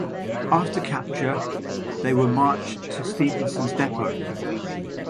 After capture, they were marched to Stephensons Depot.